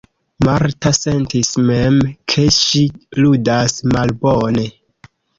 Marta sentis mem, ke ŝi ludas malbone.